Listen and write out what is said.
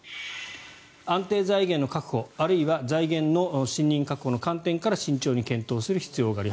安定財源の確保あるいは財源の信認確保の観点から慎重に検討する必要がある。